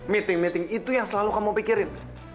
meeting meeting itu yang selalu kamu pikirin